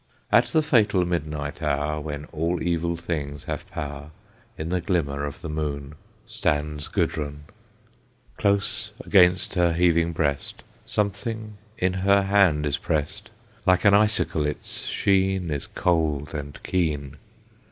At the fatal midnight hour, When all evil things have power, In the glimmer of the moon Stands Gudrun. Close against her heaving breast, Something in her hand is pressed; Like an icicle, its sheen Is cold and keen.